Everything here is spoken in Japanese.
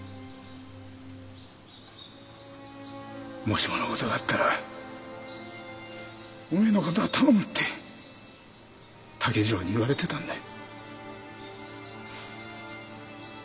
もしもの事があったらおめえの事は頼むって竹次郎に言われてたんだ。